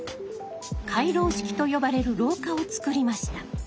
回廊式と呼ばれる廊下をつくりました。